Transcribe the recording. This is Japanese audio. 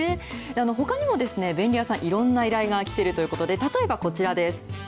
ほかにも便利屋さん、いろんな依頼が来てるということで、例えばこちらです。